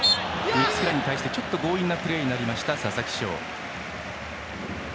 三平に対してちょっと強引なプレーになった佐々木翔。